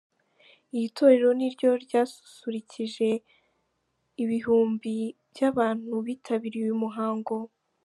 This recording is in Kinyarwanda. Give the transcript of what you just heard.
Iri torero niryo ryasusurukije ibihumbi by’abantu bitabiriye uyu muhango.